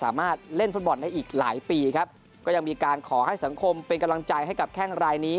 สามารถเล่นฟุตบอลได้อีกหลายปีครับก็ยังมีการขอให้สังคมเป็นกำลังใจให้กับแข้งรายนี้